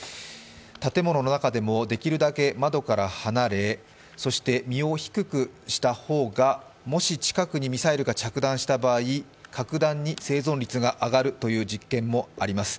建物の中でもできるだけ窓から離れ、そして身を低くした方がもし近くにミサイルが着弾した場合格段に生存率が上がるという実験もあります。